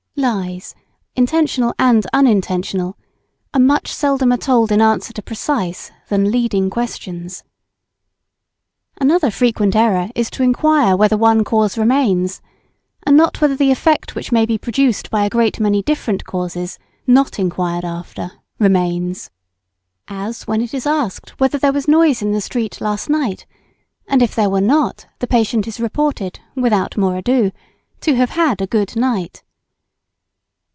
Lies, intentional and unintentional, are much seldomer told in answer to precise than to leading questions. Another frequent error is to inquire whether one cause remains, and not whether the effect which may be produced by a great many different causes, not inquired after, remains. As when it is asked, whether there was noise in the street last night; and if there were not, the patient is reported, without more ado, to have had a good night.